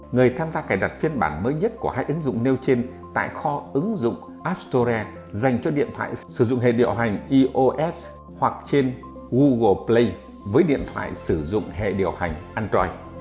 người tham gia cài đặt phiên bản mới nhất của hai ứng dụng nêu trên tại kho ứng dụng app store dành cho điện thoại sử dụng hệ điều hành ios hoặc trên google play với điện thoại sử dụng hệ điều hành android